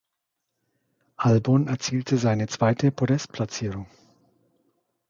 Albon erzielte seine zweite Podestplatzierung.